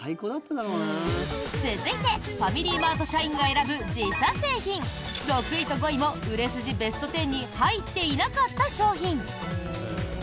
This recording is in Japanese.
続いて、ファミリーマート社員が選ぶ自社製品６位と５位も売れ筋ベスト１０に入っていなかった商品！